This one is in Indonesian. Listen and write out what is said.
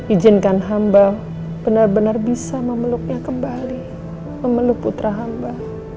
ijinkan hamba benar benar bisa memeluknya kembali memeluk putra hamba